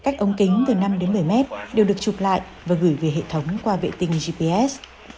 tính từ năm đến một mươi mét đều được chụp lại và gửi về hệ thống qua vệ tinh gps